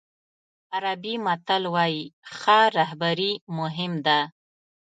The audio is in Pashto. عربي متل وایي ښه رهبري مهم ده.